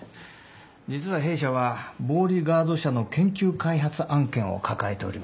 実は弊社はボーリガード社の研究開発案件を抱えております。